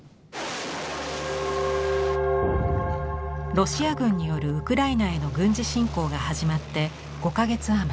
ロシア軍によるウクライナへの軍事侵攻が始まって５か月余り。